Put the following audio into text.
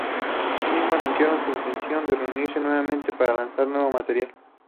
Así mismo anunciaron su intención de reunirse nuevamente para lanzar nuevo material.